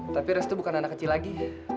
tapi restu bukan anak kecil lagi